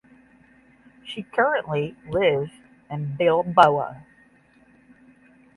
She currently lives in Bilbao.